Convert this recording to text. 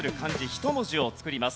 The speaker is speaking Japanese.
１文字を作ります。